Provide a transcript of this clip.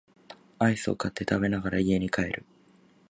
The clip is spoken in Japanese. アイスを買って食べながら家に帰る